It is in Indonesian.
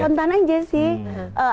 spontan aja sih